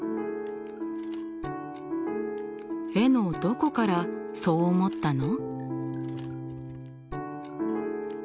絵のどこからそう思ったの？